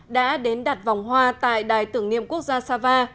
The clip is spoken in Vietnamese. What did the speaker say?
đã đến đặt vòng hoa tại đài tưởng niệm quốc gia sava